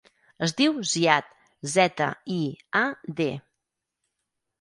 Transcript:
Es diu Ziad: zeta, i, a, de.